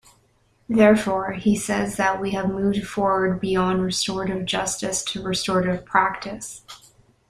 Therefore, he says that we have moved forward beyond restorative justice to restorative practice.